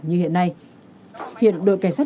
như hiện nay hiện đội cảnh sát